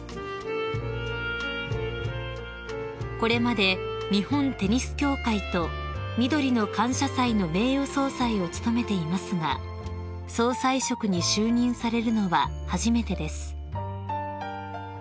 ［これまで日本テニス協会とみどりの感謝祭の名誉総裁を務めていますが総裁職に就任されるのは初めてです］